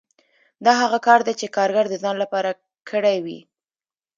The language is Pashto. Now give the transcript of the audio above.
دا هغه کار دی چې کارګر د ځان لپاره کړی وي